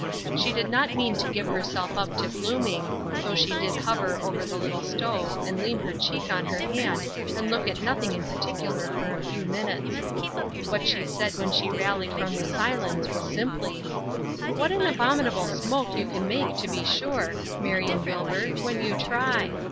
She did not mean to give herself up to glooming, though she did hover over the little stove and lean her cheek on her hand and look at nothing in particular for a few minutes. What she said when she rallied from the silence was simply: "What an abominable smoke you can make to be sure, Marion Wilbur, when you try.